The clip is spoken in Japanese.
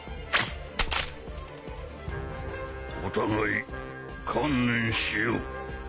お互い観念しよう。